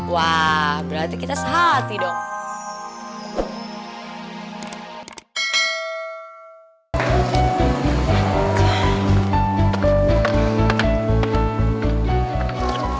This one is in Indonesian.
wah berarti kita sehati dong